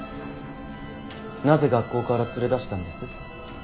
なぜ学校から連れ出したんです？